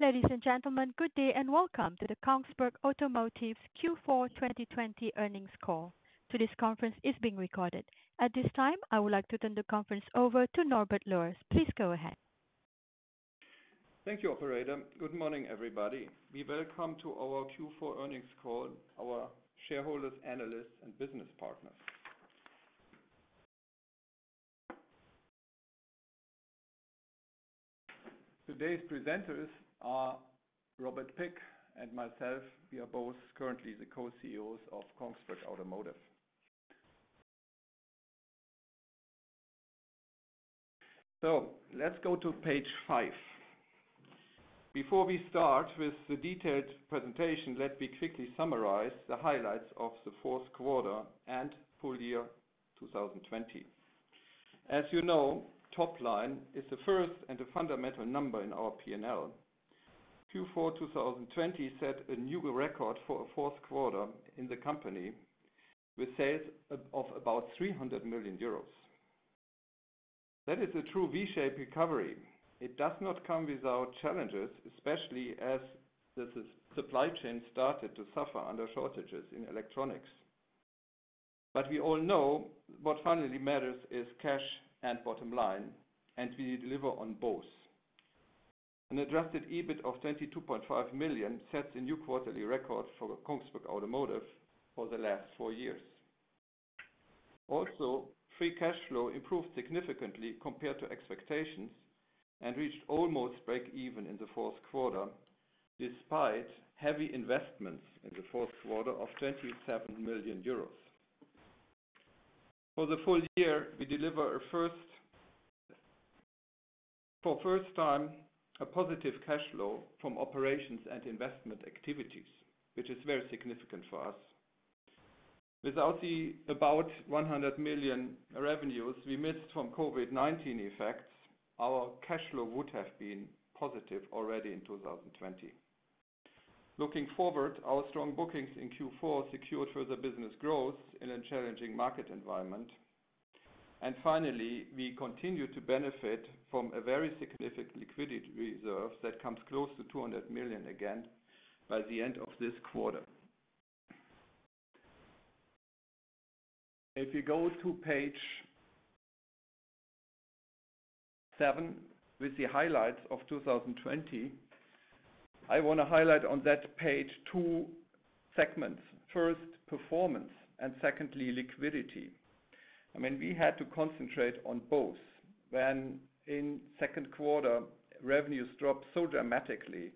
Ladies and gentlemen, good day and welcome to the Kongsberg Automotive's Q4 2020 earnings call. Today's conference is being recorded. At this time, I would like to turn the conference over to Norbert Loers. Please go ahead. Thank you, operator. Good morning, everybody. We welcome to our Q4 earnings call our shareholders, analysts, and business partners. Today's presenters are Robert Pigg and myself. We are both currently the co-CEOs of Kongsberg Automotive. Let's go to page five. Before we start with the detailed presentation, let me quickly summarize the highlights of the fourth quarter and full year 2020. As you know, top line is the first and the fundamental number in our P&L. Q4 2020 set a new record for a fourth quarter in the company, with sales of about 300 million euros. That is a true V-shaped recovery. It does not come without challenges, especially as the supply chain started to suffer under shortages in electronics. We all know what finally matters is cash and bottom line, and we deliver on both. An adjusted EBIT of 22.5 million sets a new quarterly record for Kongsberg Automotive for the last four years. Free cash flow improved significantly compared to expectations and reached almost breakeven in the fourth quarter, despite heavy investments in the fourth quarter of 27 million euros. For the full year, we deliver, for first time, a positive cash flow from operations and investment activities, which is very significant for us. Without the about 100 million revenues we missed from COVID-19 effects, our cash flow would have been positive already in 2020. Looking forward, our strong bookings in Q4 secured further business growth in a challenging market environment. Finally, we continue to benefit from a very significant liquidity reserve that comes close to 200 million again by the end of this quarter. If you go to page seven, with the highlights of 2020, I want to highlight on that page two segments. First, performance, and secondly, liquidity. We had to concentrate on both. When in second quarter revenues dropped so dramatically,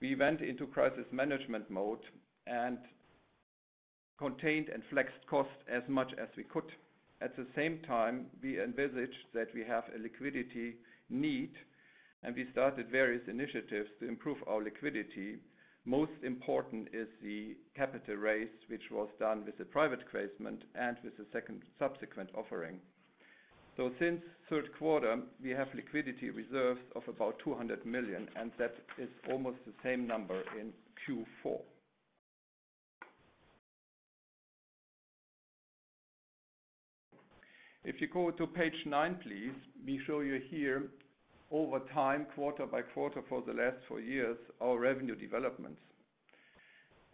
we went into crisis management mode and contained and flexed costs as much as we could. At the same time, we envisaged that we have a liquidity need, and we started various initiatives to improve our liquidity. Most important is the capital raise, which was done with a private placement and with the second subsequent offering. Since third quarter, we have liquidity reserves of about 200 million, and that is almost the same number in Q4. If you go to page nine, please. We show you here over time, quarter-by-quarter for the last four years, our revenue developments.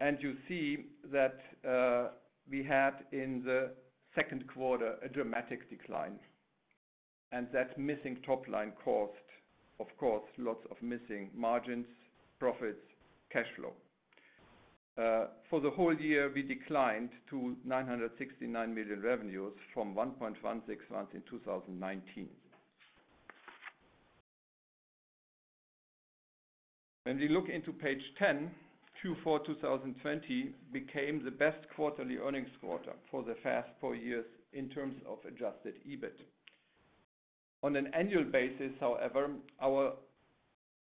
You see that we had in the second quarter a dramatic decline, and that missing top line caused, of course, lots of missing margins, profits, cash flow. For the whole year, we declined to 969 million revenues from 1.169 billion in 2019. When we look into page 10, Q4 2020 became the best quarterly earnings quarter for the past four years in terms of adjusted EBIT. On an annual basis, however, our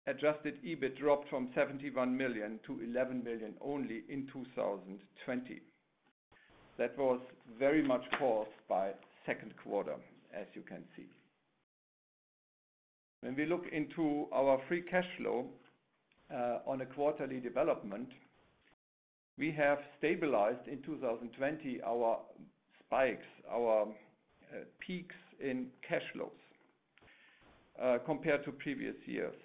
adjusted EBIT dropped from 71 million to 11 million only in 2020. That was very much caused by second quarter, as you can see. When we look into our free cash flow, on a quarterly development, we have stabilized in 2020 our spikes, our peaks in cash flows, compared to previous years.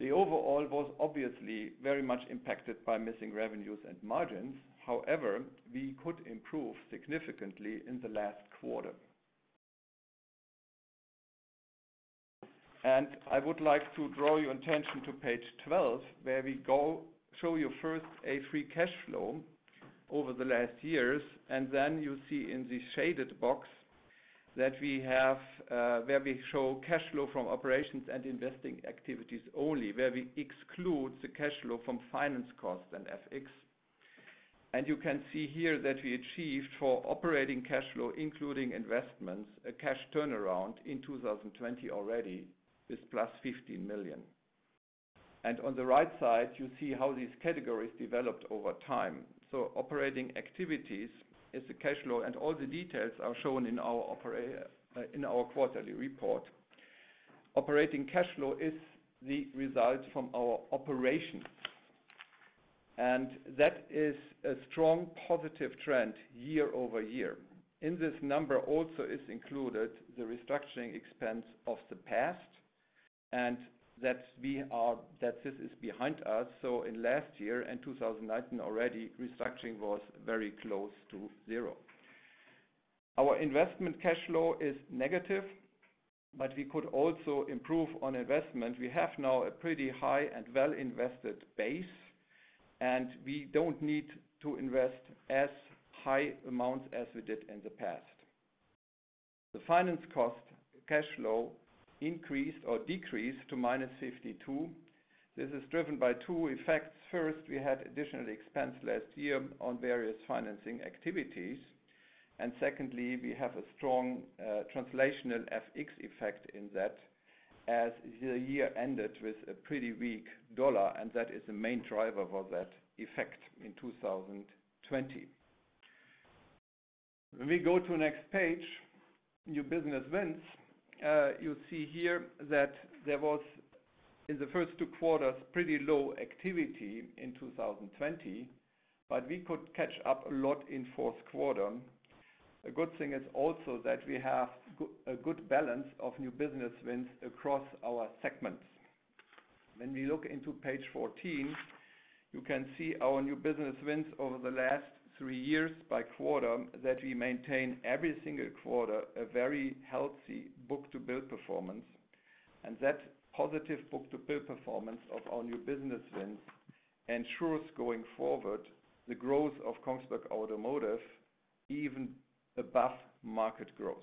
The overall was obviously very much impacted by missing revenues and margins. However, we could improve significantly in the last quarter. I would like to draw your attention to page 12, where we show you first a free cash flow over the last years, and then you see in the shaded box where we show cash flow from operations and investing activities only, where we exclude the cash flow from finance costs and FX. You can see here that we achieved for operating cash flow, including investments, a cash turnaround in 2020 already is +15 million. On the right side, you see how these categories developed over time. Operating activities is the cash flow, and all the details are shown in our quarterly report. Operating cash flow is the result from our operations. That is a strong positive trend year-over-year. In this number also is included the restructuring expense of the past, and that this is behind us. In last year, in 2019 already, restructuring was very close to zero. Our investment cash flow is negative, but we could also improve on investment. We have now a pretty high and well-invested base, and we don't need to invest as high amounts as we did in the past. The finance cost cash flow increased or decreased to -52 million. This is driven by two effects. First, we had additional expense last year on various financing activities, and secondly, we have a strong translational FX effect in that as the year ended with a pretty weak dollar, and that is the main driver of that effect in 2020. When we go to next page, new business wins, you see here that there was, in the first two quarters, pretty low activity in 2020, but we could catch up a lot in fourth quarter. A good thing is also that we have a good balance of new business wins across our segments. When we look into page 14, you can see our new business wins over the last three years by quarter, that we maintain every single quarter a very healthy book-to-bill performance. That positive book-to-bill performance of our new business wins ensures going forward the growth of Kongsberg Automotive even above market growth.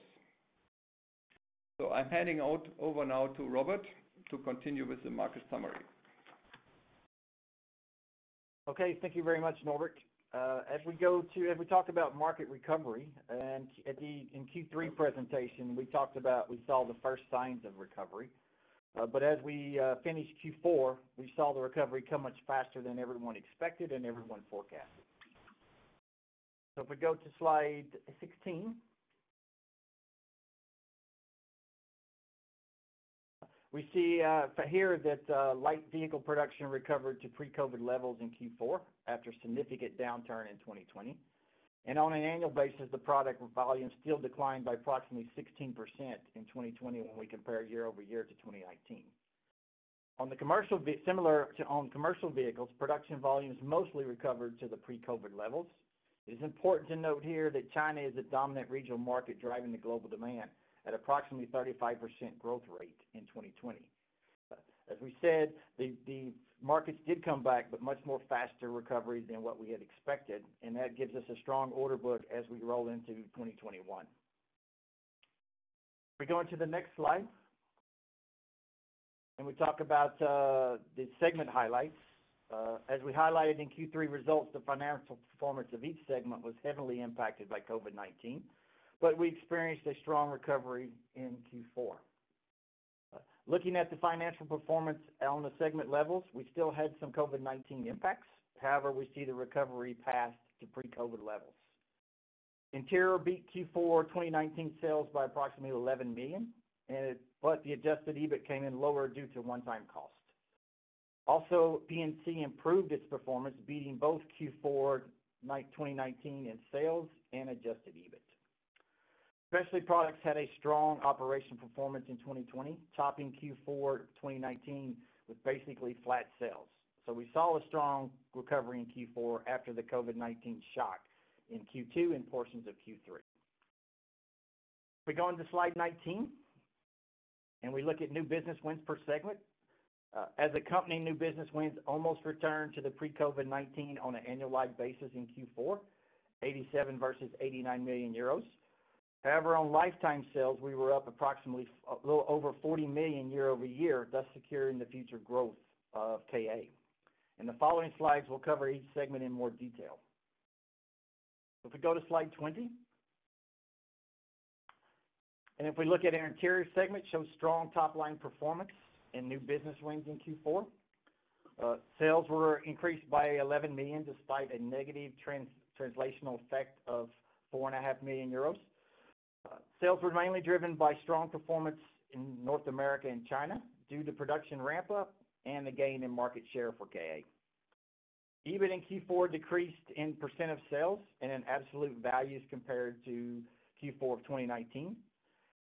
I'm handing over now to Robert to continue with the market summary. Thank you very much, Norbert. As we talk about market recovery and in Q3 presentation, we saw the first signs of recovery. As we finished Q4, we saw the recovery come much faster than everyone expected and everyone forecasted. If we go to slide 16. We see here that light vehicle production recovered to pre-COVID levels in Q4 after significant downturn in 2020. On an annual basis, the product volume still declined by approximately 16% in 2020 when we compare year-over-year to 2019. Similar to on commercial vehicles, production volumes mostly recovered to the pre-COVID levels. It is important to note here that China is a dominant regional market driving the global demand at approximately 35% growth rate in 2020. As we said, the markets did come back, but much more faster recovery than what we had expected, and that gives us a strong order book as we roll into 2021. If we go into the next slide and we talk about the segment highlights. As we highlighted in Q3 results, the financial performance of each segment was heavily impacted by COVID-19, but we experienced a strong recovery in Q4. Looking at the financial performance on the segment levels, we still had some COVID-19 impacts. However, we see the recovery path to pre-COVID levels. Interior beat Q4 2019 sales by approximately 11 million, but the adjusted EBIT came in lower due to one-time cost. Also, P&C improved its performance, beating both Q4 2019 in sales and adjusted EBIT. Specialty Products had a strong operation performance in 2020, topping Q4 2019 with basically flat sales. We saw a strong recovery in Q4 after the COVID-19 shock in Q2 and portions of Q3. If we go on to slide 19 and we look at new business wins per segment. As a company, new business wins almost returned to the pre-COVID-19 on an annualized basis in Q4, 87 million versus 89 million euros. However, on lifetime sales, we were up approximately a little over 40 million year-over-year, thus securing the future growth of KA. In the following slides, we'll cover each segment in more detail. If we go to slide 20, if we look at our Interior segment, shows strong top-line performance and new business wins in Q4. Sales were increased by 11 million, despite a negative translational effect of 4.5 million euros. Sales were mainly driven by strong performance in North America and China due to production ramp-up and a gain in market share for KA. EBIT in Q4 decreased in % of sales and in absolute values compared to Q4 of 2019.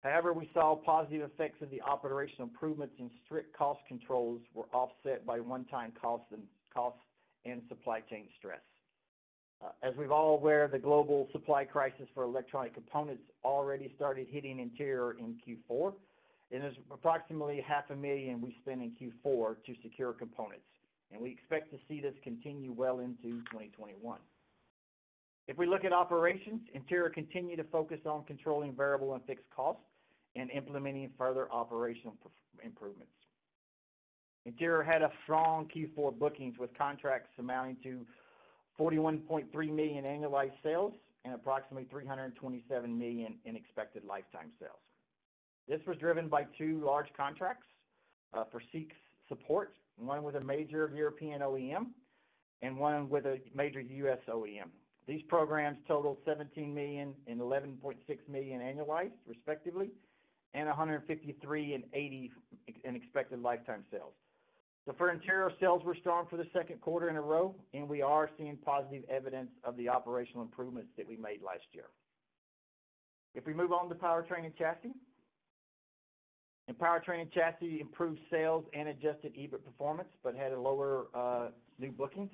However, we saw positive effects of the operational improvements and strict cost controls were offset by one-time costs and supply chain stress. As we're all aware, the global supply crisis for electronic components already started hitting Interior in Q4, and it's approximately half a million we spent in Q4 to secure components, and we expect to see this continue well into 2021. If we look at operations, Interior continued to focus on controlling variable and fixed costs and implementing further operational improvements. Interior had a strong Q4 bookings with contracts amounting to 41.3 million annualized sales and approximately 327 million in expected lifetime sales. This was driven by two large contracts for seat support systems, one with a major European OEM and one with a major U.S. OEM. These programs totaled 17 million and 11.6 million annualized, respectively. 153 million and 80 million in expected lifetime sales. For Interior, sales were strong for the second quarter in a row, and we are seeing positive evidence of the operational improvements that we made last year. If we move on to Powertrain & Chassis. In Powertrain & Chassis, improved sales and adjusted EBIT performance, but had lower new bookings.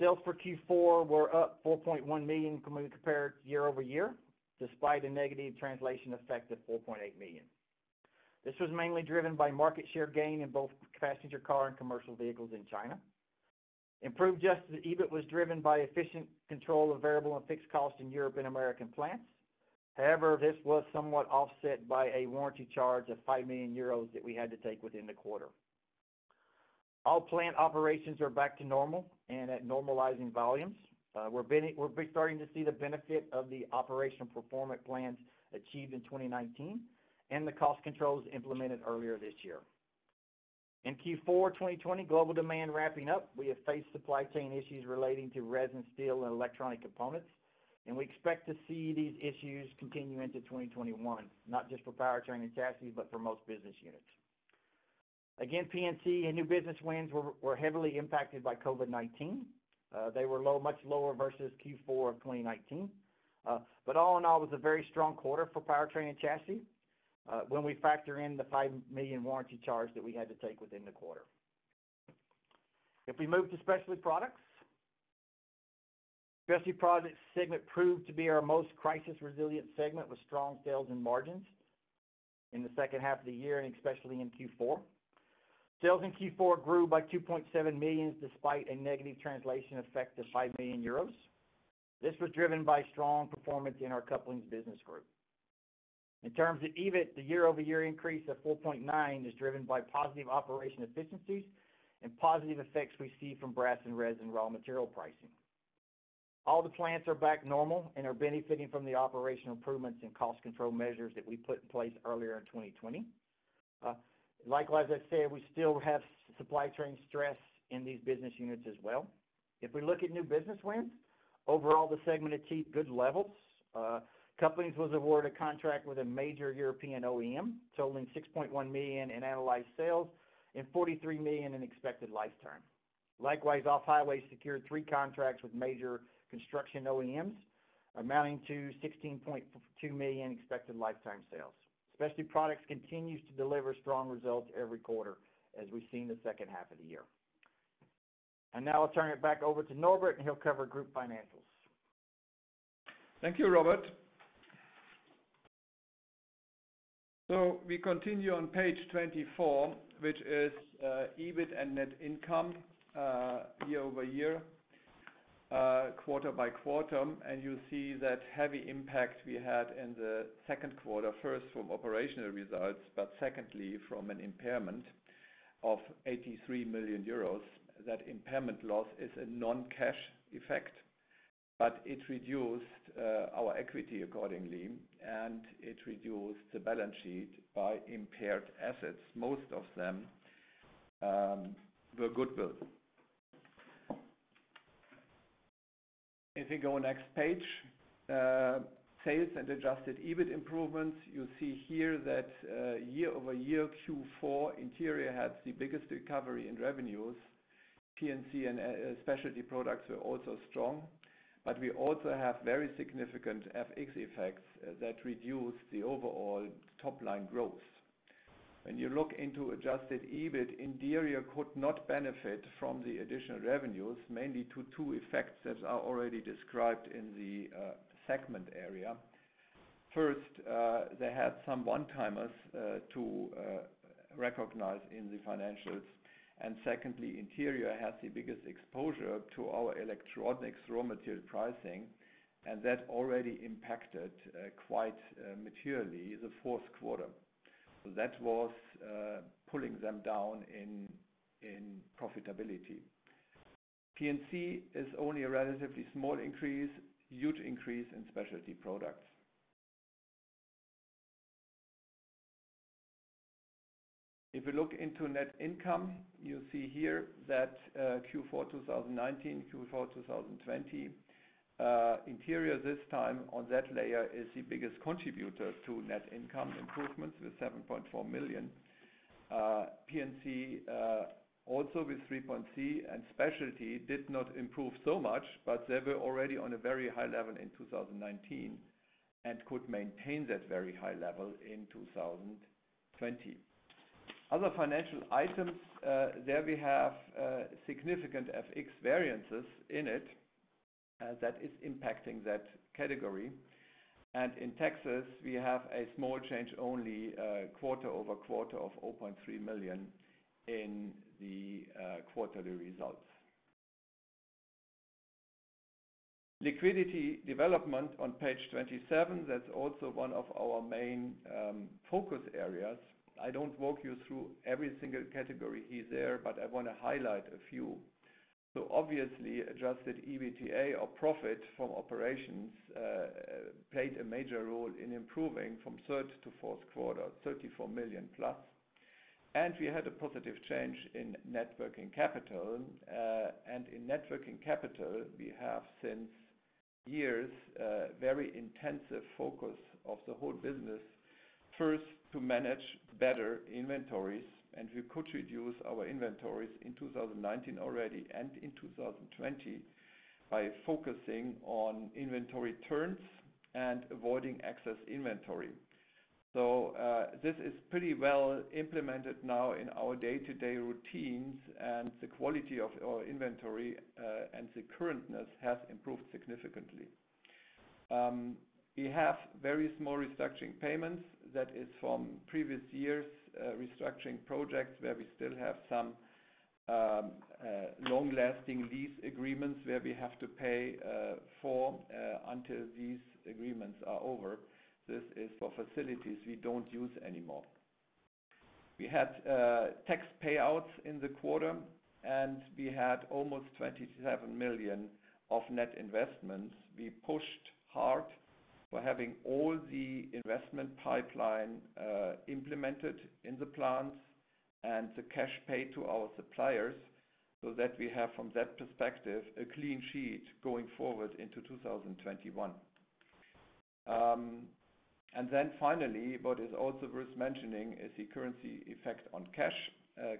Sales for Q4 were up 4.1 million when we compare it year-over-year, despite a negative translation effect of 4.8 million. This was mainly driven by market share gain in both passenger car and commercial vehicles in China. Improved adjusted EBIT was driven by efficient control of variable and fixed costs in Europe and American plants. This was somewhat offset by a warranty charge of 5 million euros that we had to take within the quarter. All plant operations are back to normal and at normalizing volumes. We're starting to see the benefit of the operational performance plans achieved in 2019 and the cost controls implemented earlier this year. In Q4 2020, global demand wrapping up, we have faced supply chain issues relating to resin, steel, and electronic components, and we expect to see these issues continue into 2021, not just for Powertrain & Chassis, but for most business units. Again, P&C and new business wins were heavily impacted by COVID-19. They were much lower versus Q4 2019. All in all, it was a very strong quarter for Powertrain & Chassis when we factor in the 5 million warranty charge that we had to take within the quarter. If we move to Specialty Products. Specialty Products segment proved to be our most crisis-resilient segment with strong sales and margins in the second half of the year and especially in Q4. Sales in Q4 grew by 2.7 million, despite a negative translation effect of 5 million euros. This was driven by strong performance in our Couplings business group. In terms of EBIT, the year-over-year increase of 4.9 million is driven by positive operation efficiencies and positive effects we see from brass and resin raw material pricing. All the plants are back normal and are benefiting from the operational improvements and cost control measures that we put in place earlier in 2020. Likewise, as I said, we still have supply chain stress in these business units as well. If we look at new business wins, overall, the segment achieved good levels. Couplings was awarded a contract with a major European OEM, totaling 6.1 million in annualized sales and 43 million in expected lifetime. Likewise, Off-Highway secured three contracts with major construction OEMs amounting to 6.2 million in expected lifetime sales. Specialty Products continues to deliver strong results every quarter, as we've seen the second half of the year. Now I'll turn it back over to Norbert and he'll cover group financials. Thank you, Robert. We continue on page 24, which is EBIT and net income year-over-year, quarter-by-quarter. You see that heavy impact we had in the second quarter, first from operational results, but secondly from an impairment of 83 million euros. That impairment loss is a non-cash effect, but it reduced our equity accordingly, and it reduced the balance sheet by impaired assets. Most of them were goodwill. If we go next page, sales and adjusted EBIT improvements. You see here that year-over-year, Q4, Interior had the biggest recovery in revenues. P&C and Specialty Products were also strong, but we also have very significant FX effects that reduce the overall top-line growth. When you look into adjusted EBIT, Interior could not benefit from the additional revenues, mainly to two effects that are already described in the segment area. First, they had some one-timers to recognize in the financials. Secondly, Interior has the biggest exposure to our electronics raw material pricing, and that already impacted quite materially the fourth quarter. That was pulling them down in profitability. P&C is only a relatively small increase, huge increase in Specialty Products. If we look into net income, you see here that Q4 2019, Q4 2020, Interior this time on that layer is the biggest contributor to net income improvements with 7.4 million. P&C also with 3.3 million, and Specialty did not improve so much, but they were already on a very high level in 2019 and could maintain that very high level in 2020. Other financial items, there we have significant FX variances in it that is impacting that category. In taxes, we have a small change only quarter-over-quarter of 0.3 million in the quarterly results. Liquidity development on page 27, that's also one of our main focus areas. I don't walk you through every single category here there, I want to highlight a few. Obviously, adjusted EBITDA or profit from operations played a major role in improving from third to fourth quarter, 34 million+. We had a positive change in net working capital. In net working capital, we have since years, very intensive focus of the whole business, first to manage better inventories, and we could reduce our inventories in 2019 already and in 2020 by focusing on inventory turns and avoiding excess inventory. This is pretty well implemented now in our day-to-day routines, and the quality of our inventory and the currentness has improved significantly. We have very small restructuring payments. That is from previous years, restructuring projects where we still have some long-lasting lease agreements where we have to pay for until these agreements are over. This is for facilities we don't use anymore. We had tax payouts in the quarter, and we had almost 27 million of net investments. We pushed hard for having all the investment pipeline implemented in the plants and the cash paid to our suppliers so that we have, from that perspective, a clean sheet going forward into 2021. Finally, what is also worth mentioning is the currency effect on cash.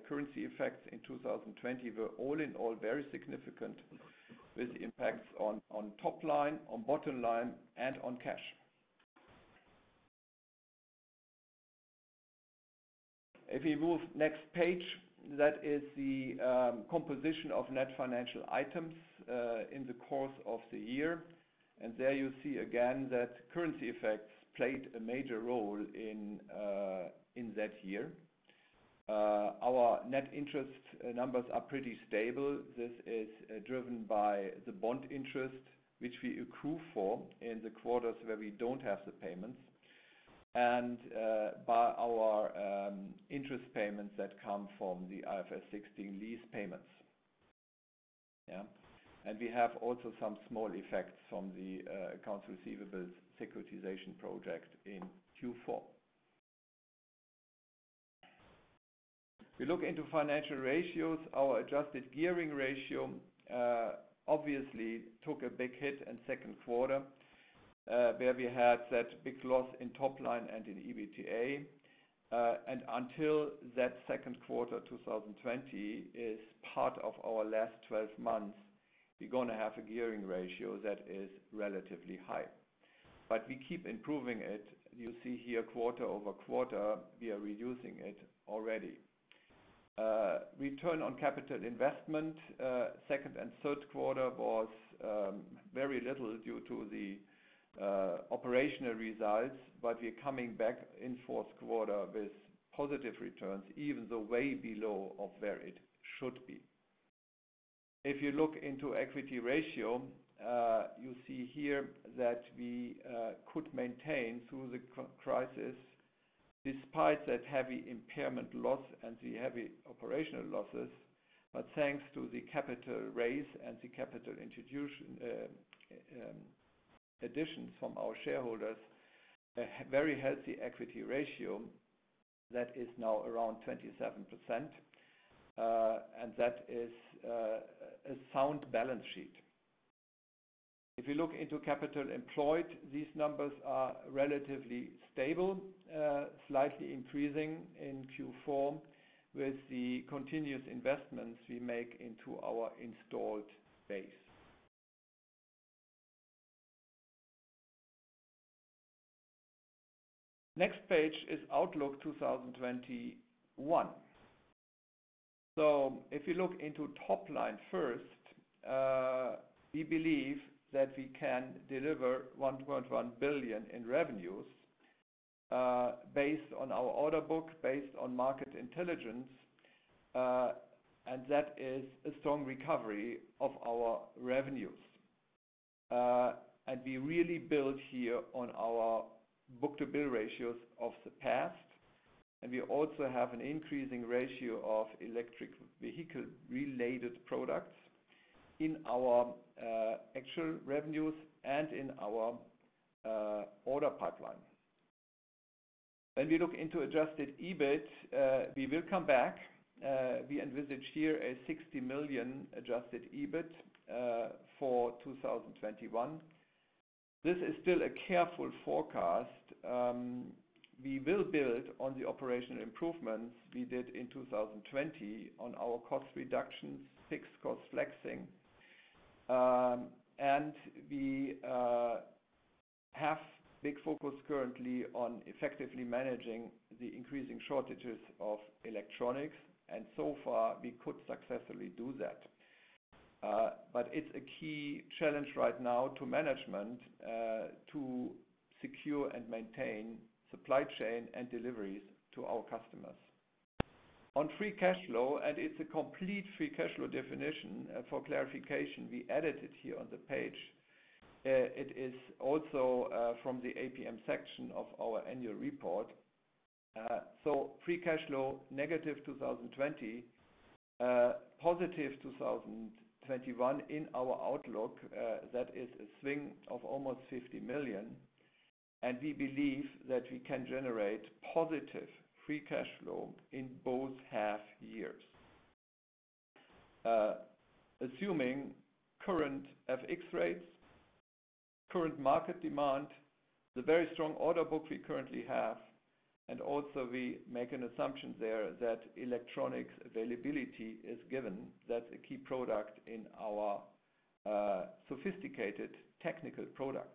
Currency effects in 2020 were all in all very significant with impacts on top line, on bottom line, and on cash. If we move next page, that is the composition of net financial items in the course of the year. There you see again that currency effects played a major role in that year. Our net interest numbers are pretty stable. This is driven by the bond interest, which we accrue for in the quarters where we don't have the payments and by our interest payments that come from the IFRS 16 lease payments. Yeah. We have also some small effects from the accounts receivables securitization project in Q4. We look into financial ratios. Our adjusted gearing ratio obviously took a big hit in second quarter, where we had that big loss in top line and in EBITDA. Until that second quarter 2020 is part of our last 12 months, we're going to have a gearing ratio that is relatively high. We keep improving it. You see here quarter-over-quarter, we are reducing it already. Return on capital investment, second and third quarter was very little due to the operational results, but we're coming back in fourth quarter with positive returns, even though way below of where it should be. If you look into equity ratio, you see here that we could maintain through the crisis despite that heavy impairment loss and the heavy operational losses. Thanks to the capital raise and the capital addition from our shareholders, a very healthy equity ratio that is now around 27%, and that is a sound balance sheet. If you look into capital employed, these numbers are relatively stable, slightly increasing in Q4 with the continuous investments we make into our installed base. Next page is Outlook 2021. If you look into top line first, we believe that we can deliver 1.1 billion in revenues, based on our order book, based on market intelligence, and that is a strong recovery of our revenues. We really build here on our book-to-bill ratios of the past, and we also have an increasing ratio of electric vehicle-related products in our actual revenues and in our order pipeline. When we look into adjusted EBIT, we will come back. We envisage here a 60 million adjusted EBIT for 2021. This is still a careful forecast. We will build on the operational improvements we did in 2020 on our cost reductions, fixed cost flexing. We have big focus currently on effectively managing the increasing shortages of electronics, and so far, we could successfully do that. It's a key challenge right now to management to secure and maintain supply chain and deliveries to our customers. On free cash flow, it's a complete free cash flow definition. For clarification, we added it here on the page. It is also from the APM section of our annual report. free cash flow negative 2020, positive 2021 in our outlook. That is a swing of almost 50 million. We believe that we can generate positive free cash flow in both half years. Assuming current FX rates, current market demand, the very strong order book we currently have, and also we make an assumption there that electronics availability is given. That's a key product in our sophisticated technical products.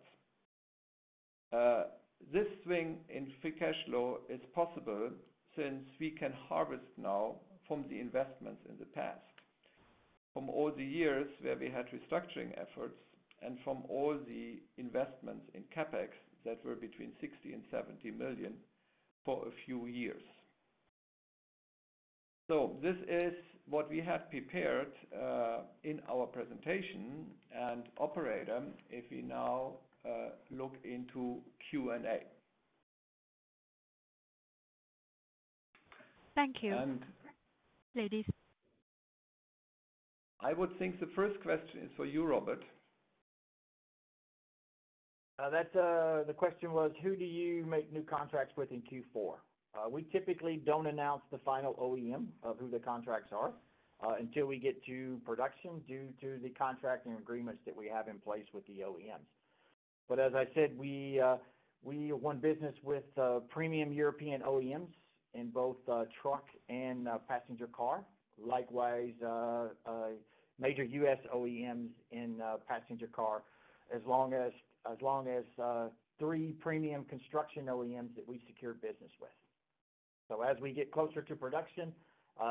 This swing in free cash flow is possible since we can harvest now from the investments in the past, from all the years where we had restructuring efforts and from all the investments in CapEx that were between 60 million and 70 million for a few years. This is what we have prepared in our presentation. Operator, if we now look into Q&A. Thank you. Ladies. I would think the first question is for you, Robert. The question was, who do you make new contracts with in Q4? We typically don't announce the final OEM of who the contracts are, until we get to production due to the contracting agreements that we have in place with the OEMs. As I said, we won business with premium European OEMs in both truck and passenger car. Likewise, major U.S. OEMs in passenger car, as long as three premium construction OEMs that we secured business with. As we get closer to production,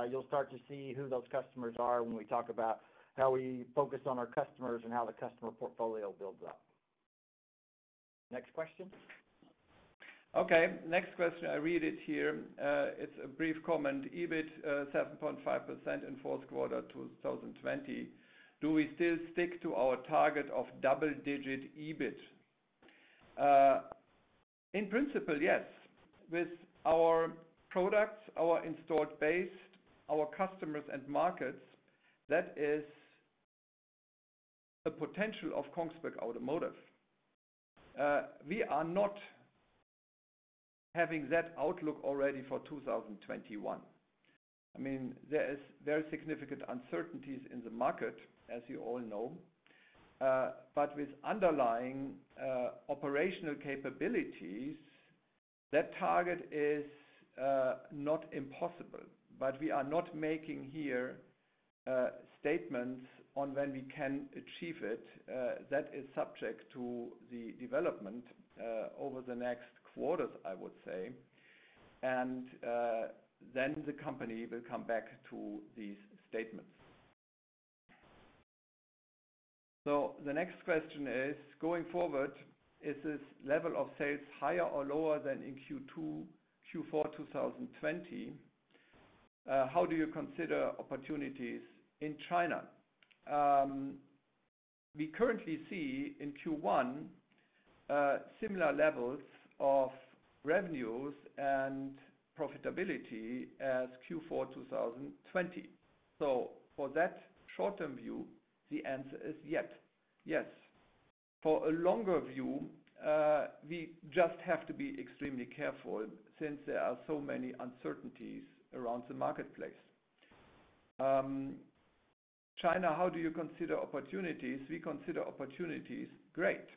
you'll start to see who those customers are when we talk about how we focus on our customers and how the customer portfolio builds up. Next question. Okay. Next question. I read it here. It's a brief comment. EBIT, 7.5% in fourth quarter 2020. Do we still stick to our target of double-digit EBIT? In principle, yes. With our products, our installed base, our customers and markets, that is the potential of Kongsberg Automotive. We are not having that outlook already for 2021. There are significant uncertainties in the market, as you all know. With underlying operational capabilities, that target is not impossible. We are not making here statements on when we can achieve it. That is subject to the development, over the next quarters, I would say. The company will come back to these statements. The next question is, going forward, is this level of sales higher or lower than in Q4, 2020? How do you consider opportunities in China? We currently see in Q1, similar levels of revenues and profitability as Q4, 2020. For that short-term view, the answer is yes. For a longer view, we just have to be extremely careful since there are so many uncertainties around the marketplace. China, how do you consider opportunities? We consider opportunities great.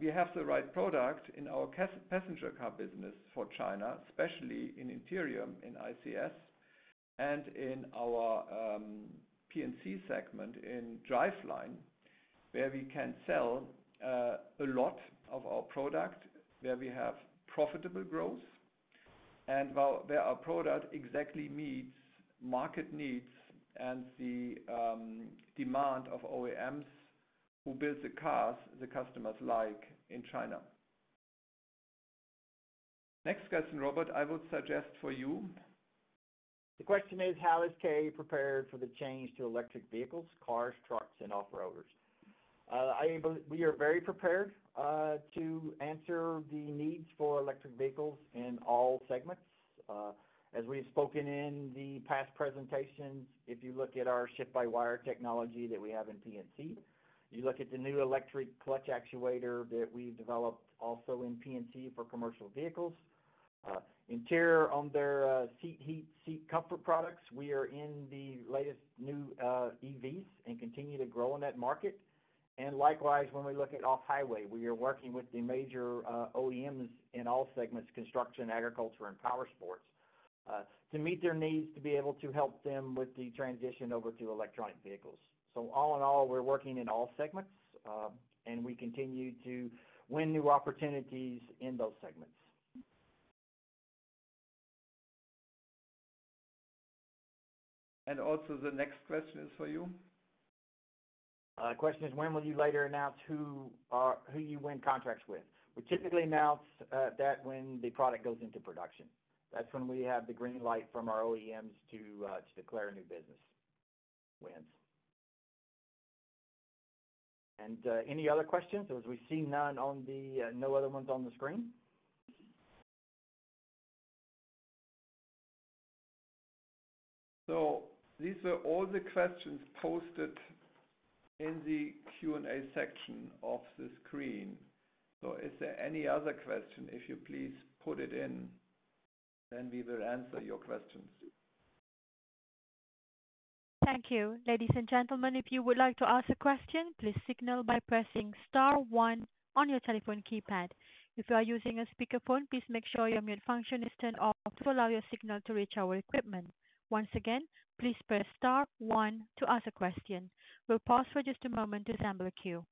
We have the right product in our passenger car business for China, especially in Interior, in ICS, and in our P&C segment in Driveline, where we can sell a lot of our product, where we have profitable growth, and where our product exactly meets market needs and the demand of OEMs who build the cars the customers like in China. Next question, Robert, I would suggest for you. The question is, how is KA prepared for the change to electric vehicles, cars, trucks, and off-roaders? We are very prepared, to answer the needs for electric vehicles in all segments. As we've spoken in the past presentations, if you look at our shift-by-wire technology that we have in P&C, you look at the new electric clutch actuator that we've developed also in P&C for commercial vehicles. Interior, on their Seat Heat, Seat Comfort products, we are in the latest new EVs and continue to grow in that market. Likewise, when we look at Off-Highway. We are working with the major OEMs in all segments, construction, agriculture, and powersports, to meet their needs to be able to help them with the transition over to electric vehicles. All in all, we're working in all segments, and we continue to win new opportunities in those segments. Also, the next question is for you. Question is, when will you later announce who you win contracts with? We typically announce that when the product goes into production. That's when we have the green light from our OEMs to declare new business wins. Any other questions, as we see none, no other ones on the screen? These were all the questions posted in the Q&A section of the screen. Is there any other question? If you please put it in, then we will answer your questions. Thank you. Ladies and gentlemen, if you would like to ask a question, please signal by pressing star one on your telephone keypad. If you are using a speakerphone, please make sure your mute function is turned off to allow your signal to reach our equipment. Once again, please press star one to ask a question. We'll pause for just a moment to assemble our queue.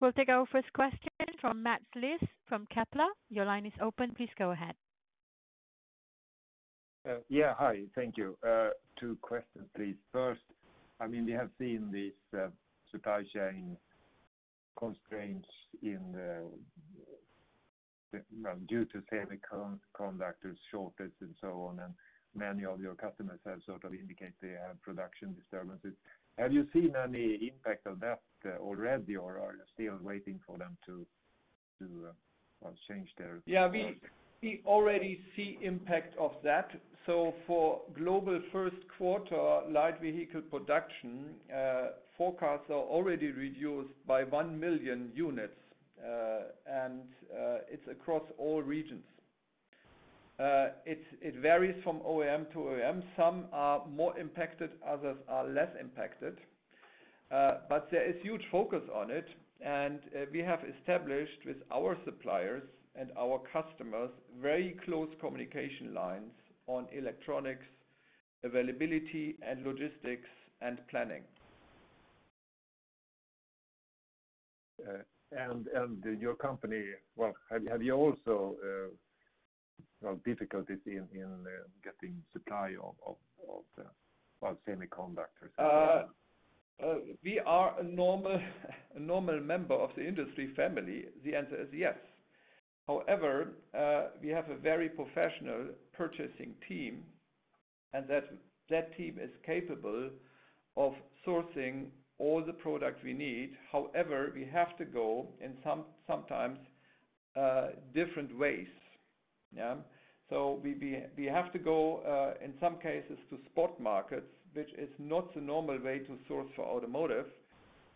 We'll take our first question from Mats Liss from Kepler. Your line is open. Please go ahead. Yeah. Hi. Thank you. Two questions, please. First, we have seen these supply chain constraints due to semiconductor shortage and so on, and many of your customers have indicated they have production disturbances. Have you seen any impact of that already, or are you still waiting for them to change their? Yeah, we already see impact of that. For global first quarter light vehicle production, forecasts are already reduced by 1 million units. It's across all regions. It varies from OEM to OEM. Some are more impacted, others are less impacted. There is huge focus on it, and we have established with our suppliers and our customers very close communication lines on electronics availability and logistics and planning. Your company, have you also difficulties in getting supply of semiconductors? We are a normal member of the industry family. The answer is yes. We have a very professional purchasing team, and that team is capable of sourcing all the products we need. We have to go in sometimes different ways. We have to go, in some cases, to spot markets, which is not the normal way to source for automotive.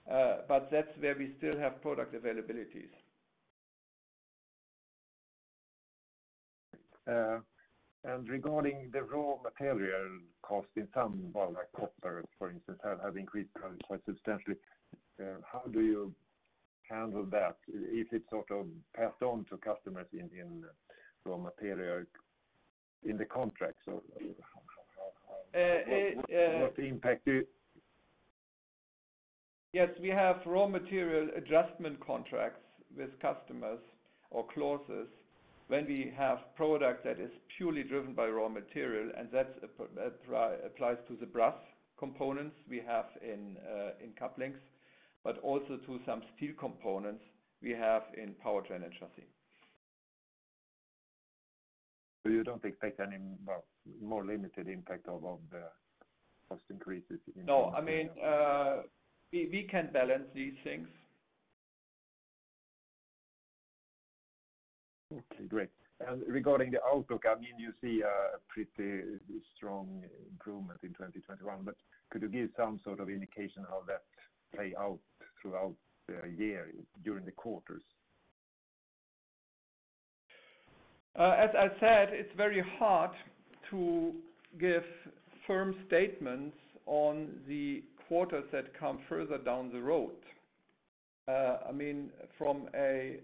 That's where we still have product availabilities. Regarding the raw material cost in some, like copper, for instance, have increased quite substantially. How do you handle that if it's passed on to customers in raw material in the contract? What's the impact? Yes, we have raw material adjustment contracts with customers or clauses when we have product that is purely driven by raw material, and that applies to the brass components we have in Couplings, but also to some steel components we have in Powertrain & Chassis. You don't expect any more limited impact of the cost increases? No, we can balance these things. Regarding the outlook, you see a pretty strong improvement in 2021, but could you give some sort of indication how that play out throughout the year during the quarters? As I said, it's very hard to give firm statements on the quarters that come further down the road. From a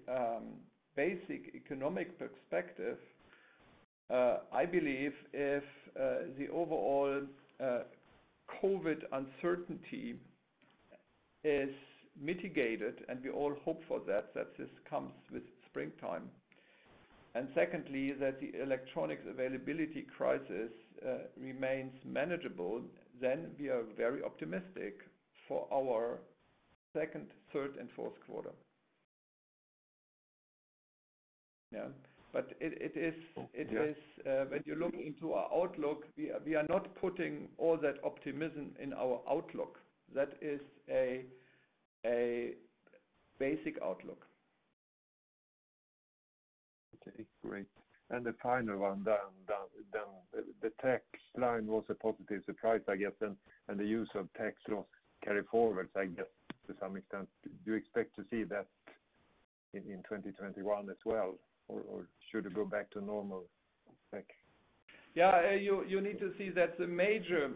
basic economic perspective, I believe if the overall COVID uncertainty is mitigated, and we all hope for that this comes with springtime. Secondly, that the electronics availability crisis remains manageable, then we are very optimistic for our second, third, and fourth quarter. When you look into our outlook, we are not putting all that optimism in our outlook. That is a basic outlook. Okay, great. The final one, the tax line was a positive surprise, I guess, and the use of tax loss carryforward, I guess, to some extent. Do you expect to see that in 2021 as well, or should it go back to normal? Thank you. Yeah. You need to see that the major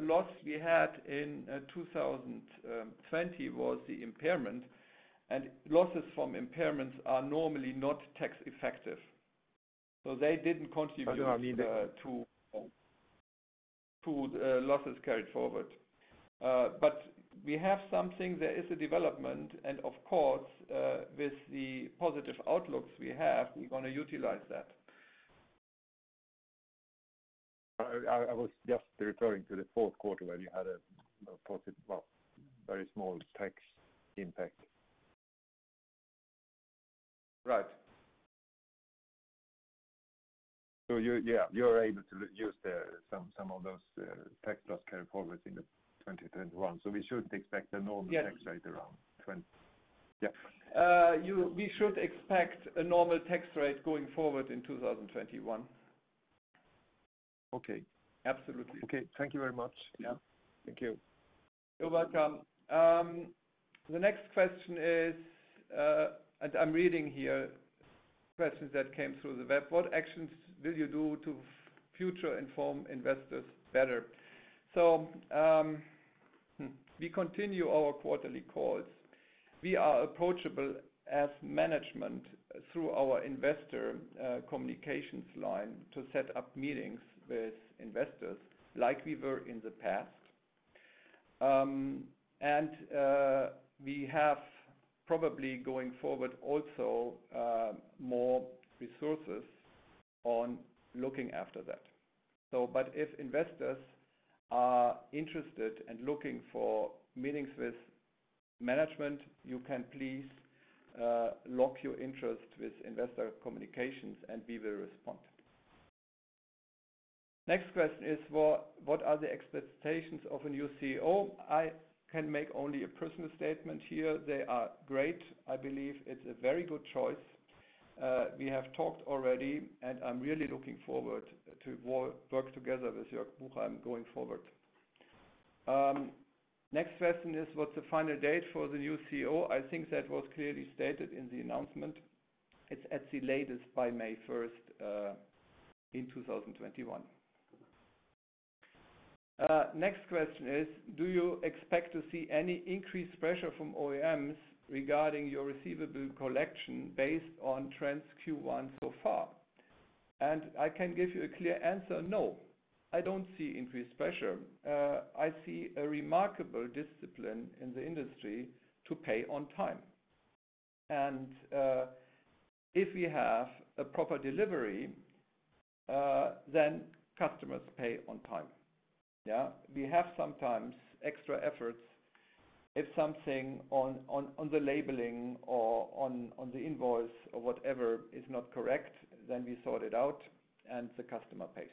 loss we had in 2020 was the impairment, and losses from impairments are normally not tax effective. They didn't contribute. No, I mean. To losses carried forward. We have something, there is a development, and of course, with the positive outlooks we have, we're going to utilize that. I was just referring to the fourth quarter where you had a positive, well, very small tax impact. Right. You're able to use some of those tax loss carryforwards into 2021. We should expect a normal. Yeah. Tax rate around 20%. Yeah. We should expect a normal tax rate going forward in 2021. Okay. Absolutely. Okay. Thank you very much. Yeah. Thank you. You're welcome. The next question is, I'm reading here questions that came through the web: What actions will you do to future inform investors better? We continue our quarterly calls. We are approachable as management through our investor communications line to set up meetings with investors, like we were in the past. We have probably going forward also more resources on looking after that. If investors are interested and looking for meetings with management, you can please log your interest with investor communications and we will respond. Next question is, "What are the expectations of a new CEO?" I can make only a personal statement here. They are great. I believe it's a very good choice. We have talked already, I'm really looking forward to work together with Jörg Buchheim going forward. Next question is, "What's the final date for the new CEO?" I think that was clearly stated in the announcement. It's at the latest by May 1st in 2021. Next question is, "Do you expect to see any increased pressure from OEMs regarding your receivable collection based on trends Q1 so far?" I can give you a clear answer, no. I don't see increased pressure. I see a remarkable discipline in the industry to pay on time. If we have a proper delivery, then customers pay on time. Yeah. We have sometimes extra efforts if something on the labeling or on the invoice or whatever is not correct, then we sort it out and the customer pays.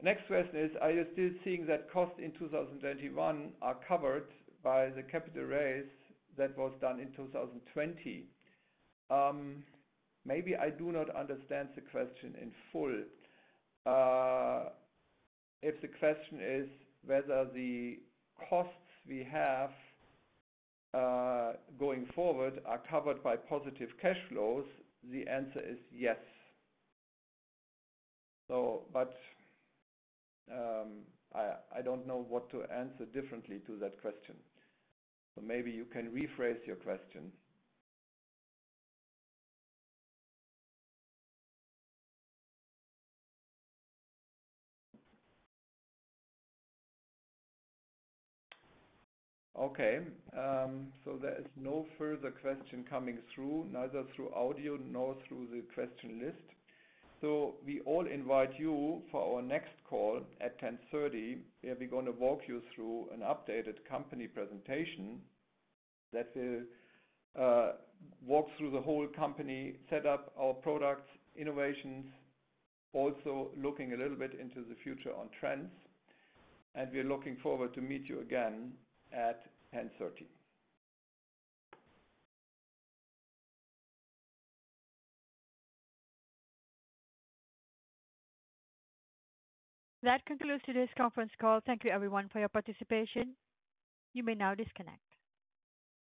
Next question is, "Are you still seeing that costs in 2021 are covered by the capital raise that was done in 2020?" Maybe I do not understand the question in full. If the question is whether the costs we have going forward are covered by positive cash flows, the answer is yes. I don't know what to answer differently to that question. Maybe you can rephrase your question. Okay. There is no further question coming through, neither through audio nor through the question list. We all invite you for our next call at 10:30. We are going to walk you through an updated company presentation that will walk through the whole company set up, our products, innovations, also looking a little bit into the future on trends. We're looking forward to meet you again at 10:30. That concludes today's conference call. Thank you everyone for your participation. You may now disconnect.